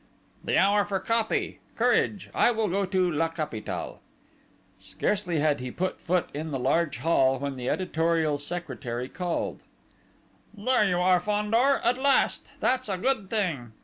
"The hour for copy! Courage! I will go to La Capitale." Scarcely had he put foot in the large hall when the editorial secretary called: "There you are, Fandor!... At last!... That's a good thing!...